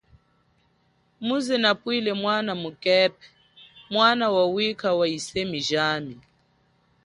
Muze nabwile mwana mukepe mwana wa wikha wa yisemi jami.